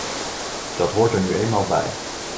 Dat hoort er nu eenmaal bij.